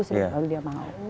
kalau dia mau